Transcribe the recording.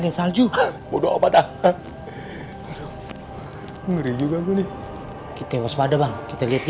lihat salju kode apa tak ngeri juga nih kita waspada bang kita lihat ya